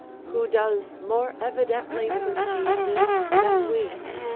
Who does more evidently perceive this than we?